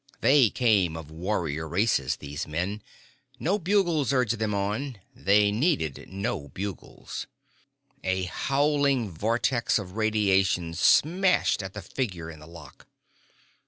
They came of warrior races, these men. No bugles urged them on. They needed no bugles. A howling vortex of radiation smashed at the figure in the lock.